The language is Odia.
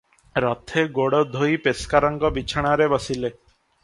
ରଥେ ଗୋଡ ଧୋଇ ପେସ୍କାରଙ୍କ ବିଛଣାରେ ବସିଲେ ।